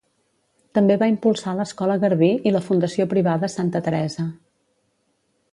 També va impulsar l'Escola Garbí i la Fundació Privada Santa Teresa.